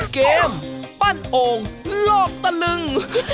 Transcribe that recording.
เกมปั้นโอ่งลอกตะลึง